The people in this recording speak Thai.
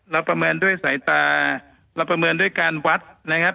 ประเมินด้วยสายตาเราประเมินด้วยการวัดนะครับ